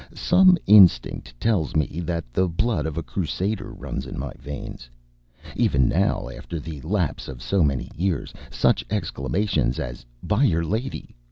Some instinct tells me that the blood of a Crusader runs in my veins. Even now, after the lapse of so many years, such exclamations as "By'r Lady!"